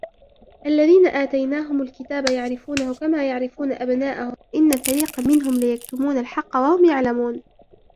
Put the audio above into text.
الَّذِينَ آتَيْنَاهُمُ الْكِتَابَ يَعْرِفُونَهُ كَمَا يَعْرِفُونَ أَبْنَاءَهُمْ وَإِنَّ فَرِيقًا مِنْهُمْ لَيَكْتُمُونَ الْحَقَّ وَهُمْ يَعْلَمُونَ